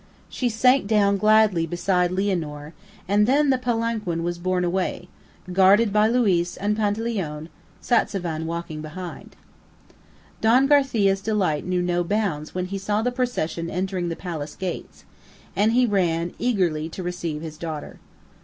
She sank down gladly beside Lianor, and then the palanquin was borne away, guarded by Luiz and Panteleone, Satzavan walking behind. Don Garcia's delight knew no bounds when he saw the procession entering the palace gates, and he ran eagerly to receive his daughter.